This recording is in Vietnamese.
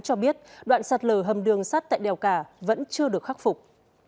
cho biết đoạn sạt lở hầm đường sắt tại đèo cả vẫn chưa được khắc phục